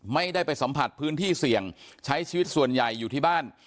ไม่ได้ไปสัมผัสพื้นที่เสี่ยงใช้ชีวิตส่วนใหญ่อยู่ที่บ้าน